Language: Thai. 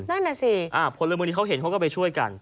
นั่นน่ะสิพลเมืองดีเขาเห็นเขาก็ไปช่วยกัน